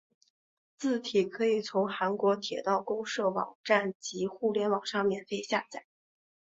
字体可以从韩国铁道公社网站及互联网上免费下载。